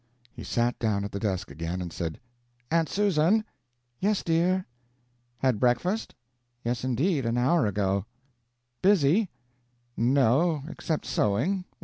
He sat down at the desk again, and said, "Aunt Susan!" "Yes, dear." "Had breakfast?" "Yes, indeed, an hour ago." "Busy?" "No except sewing.